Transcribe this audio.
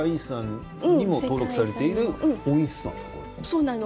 そうなの。